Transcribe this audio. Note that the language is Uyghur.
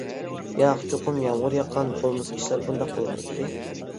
-ياق، چوقۇم يامغۇر ياغقان، بولمىسا ئىشلار بۇنداق بولمايتتى.